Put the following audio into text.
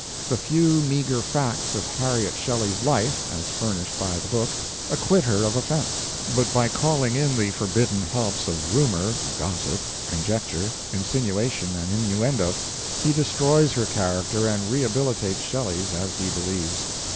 The few meager facts of Harriet Shelley's life, as furnished by the book, acquit her of offense; but by calling in the forbidden helps of rumor, gossip, conjecture, insinuation, and innuendo he destroys her character and rehabilitates Shelley's as he believes.